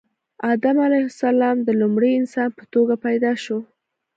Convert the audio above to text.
آدم علیه السلام د لومړي انسان په توګه پیدا شو